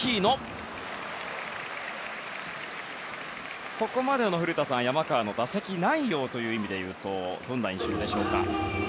古田さん、ここまでの山川の打席内容という意味でいうとどんな印象でしょうか。